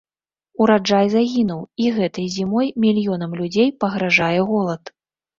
Ўраджай загінуў, і гэтай зімой мільёнам людзей пагражае голад.